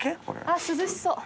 あっ涼しそう。